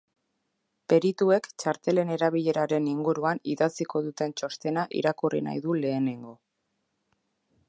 Perituek txartelen erabileraren inguruan idatziko duten txostena irakurri nahi du lehenengo.